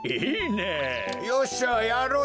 よっしゃやろうやろう！